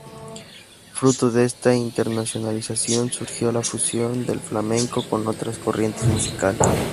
Fruto de esta internacionalización surgió la fusión del flamenco con otras corrientes musicales.